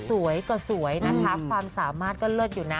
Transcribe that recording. สวยก็สวยนะคะความสามารถก็เลิศอยู่นะ